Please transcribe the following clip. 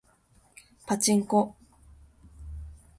パチンコ